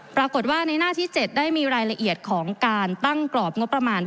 ปรากฏว่าในหน้าที่๗ได้มีรายละเอียดของการตั้งกรอบงบประมาณ